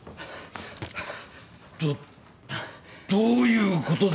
どどういうことだ！？